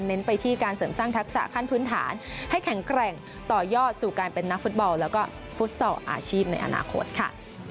ไปที่การเสริมสร้างทักษะขั้นพื้นฐานให้แข็งแกร่งต่อยอดสู่การเป็นนักฟุตบอลแล้วก็ฟุตซอลอาชีพในอนาคตค่ะ